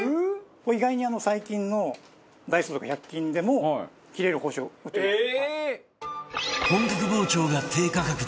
これ意外に最近のダイソーとか１００均でも切れる包丁売ってます。